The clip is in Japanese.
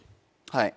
はい。